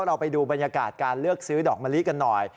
เราไปดูบรรยากาศการเลือกซื้อดอกมะลิกันหน่อย